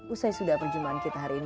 usai sudah perjumpaan kita hari ini